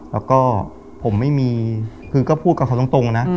แล้วก็ผมไม่มีคือก็พูดกับเขาตรงนะ